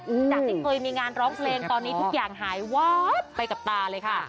จากที่เคยมีงานร้องเพลงตอนนี้ทุกอย่างหายวาบไปกับตาเลยค่ะ